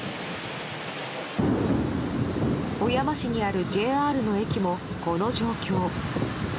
小山市にあるＪＲの駅もこの状況。